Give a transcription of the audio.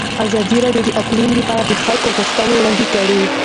ازادي راډیو د اقلیم لپاره د خلکو غوښتنې وړاندې کړي.